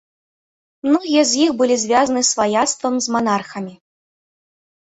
Многія з іх былі звязаны сваяцтвам з манархамі.